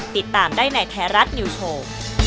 ติดตามได้ในไทยรัฐนิวโชว์